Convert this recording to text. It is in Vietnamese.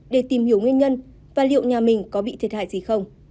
để tìm hiểu nguyên nhân và liệu nhà mình có bị thiệt hại gì không